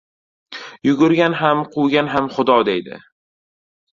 • Yugurgan ham, quvgan ham Xudo deydi.